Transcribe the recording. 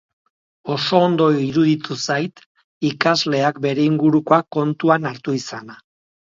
Oso ondo iruditu zait ikasleak bere ingurukoak kontuan hartu izana.